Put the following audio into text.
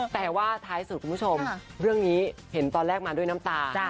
แต่ว่าท้ายสุดคุณผู้ชมเรื่องนี้เห็นตอนแรกมาด้วยน้ำตา